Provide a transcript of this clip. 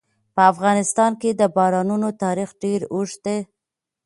په افغانستان کې د بارانونو تاریخ ډېر اوږد دی.